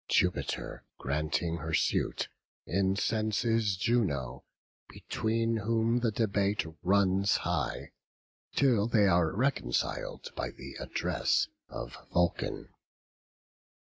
Jupiter granting her suit, incenses Juno, between whom the debate runs high, till they are reconciled by the address of Vulcan.